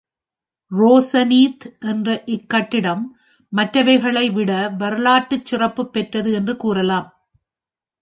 •ரோசனீத் என்ற இக் கட்டிடம், மற்றவைகளை விட வரலாற்றுச் சிறப்புப் பெற்றது என்று கூறலாம்.